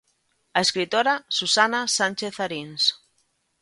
A escritora Susana Sánchez Aríns.